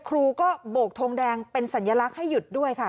ครูก็โบกทงแดงเป็นสัญลักษณ์ให้หยุดด้วยค่ะ